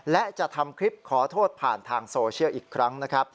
และจะทำคลิปขอโทษผ่านทางโซเชียลอีกครั้งนะครับ